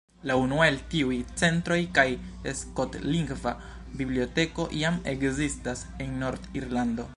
La unua el tiuj centroj kaj skotlingva biblioteko jam ekzistas en Nord-Irlando.